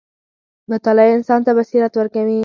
• مطالعه انسان ته بصیرت ورکوي.